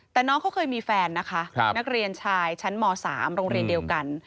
แต่น้องเขาเคยมีแฟนนะคะนักเรียนชายชั้นม๓โรงเรียนเดียวกัน